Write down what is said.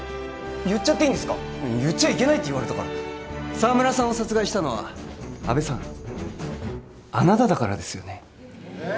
言っちゃっていいんですか言っちゃいけないと言われたから沢村さんを殺害したのは阿部さんあなただからですよねえっ！？